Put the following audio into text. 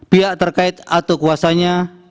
pihak terkait atau kuasanya